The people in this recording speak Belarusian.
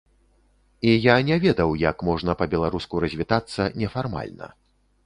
І я не ведаў, як можна па-беларуску развітацца нефармальна.